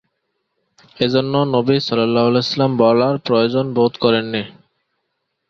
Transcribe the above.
এজন্য নবী সঃ বলার প্রয়োজন বোধ করেন নি।